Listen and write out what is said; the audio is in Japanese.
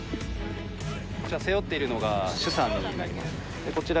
こちら背負っているのが主傘になります。